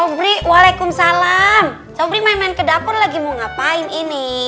sobri waalaikumsalam sobri main main ke dapur lagi mau ngapain ini